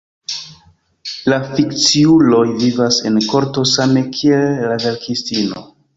La fikciuloj vivas en korto, same kiel la verkistino.